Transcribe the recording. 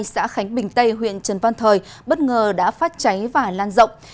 xã khánh bình tây huyện trần văn thời bất ngờ đã phát cháy và lan rộng